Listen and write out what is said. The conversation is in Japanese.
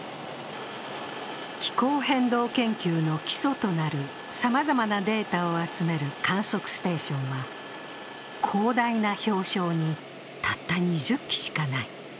気候変動研究の基礎となるさまざまなデータを集める観測ステーションは広大な氷床にたった２０基しかない。